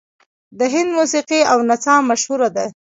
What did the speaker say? د هند موسیقي او نڅا مشهوره ده.